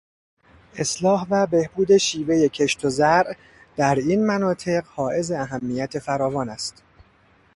اصلاح و بهبود شیوهٔ کشت و زرع در این مناطق حائز اهمیت فراوان است.